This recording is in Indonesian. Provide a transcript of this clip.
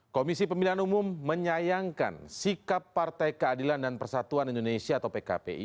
komisi pemilihan umum menyayangkan sikap partai keadilan dan persatuan indonesia atau pkpi